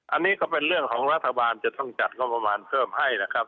อันนี้ก็เป็นเรื่องของรัฐบาลจะต้องจัดงบประมาณเพิ่มให้นะครับ